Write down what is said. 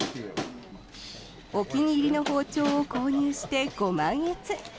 お気に入りの包丁を購入してご満悦。